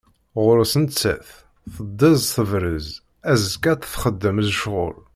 Ɣur-s nettat, teddez tebrez, azekka ad t-texdem d ccɣel.